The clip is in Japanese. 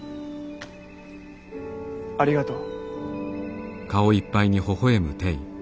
ありがとう。